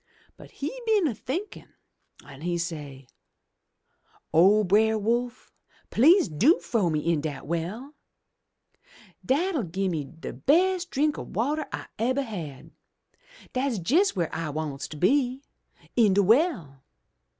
But he been a thinkin' an' he say, 'O Brer Wolf, please do frow me into de well ! Dat'll gi'e me de bes' drink ob water Fse ebber had. Dat's jes' w'ere I wants to be — in de well.